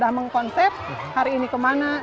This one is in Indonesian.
gak mengkonsep hari ini kemana